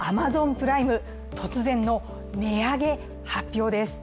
プライム、突然の値上げ発表です。